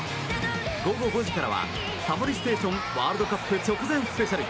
午後５時からは「タモリステーションワールドカップ直前ＳＰ」。